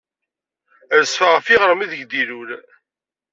Rezfeɣ ɣef yiɣrem ideg d-ilul.